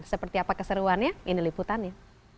seperti apa keseruannya ini liputannya